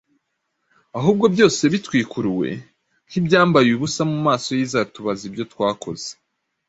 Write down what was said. ahubwo byose bitwikuruwe nk’ibyambaye ubusa mu maso y’Izatubaza ibyo twakoze